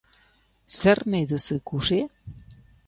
Zer nahi duzu ikusi?